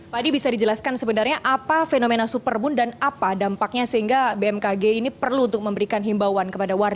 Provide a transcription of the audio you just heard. pak adi bisa dijelaskan sebenarnya apa fenomena supermoon dan apa dampaknya sehingga bmkg ini perlu untuk memberikan himbauan kepada warga